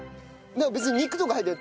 別に肉とか入ってない。